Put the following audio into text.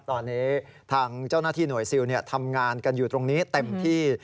ตอนนี้ทางเจ้าหน้าที่หน่วยซิลทำงานกันอยู่ตรงนี้เต็มที่